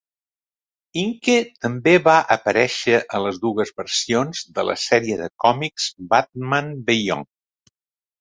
Inque també va aparèixer a les dues versions de la sèrie de còmics "Batman Beyond".